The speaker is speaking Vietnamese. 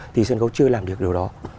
thì sân khấu chưa làm được điều đó